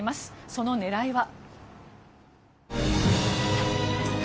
その狙いは？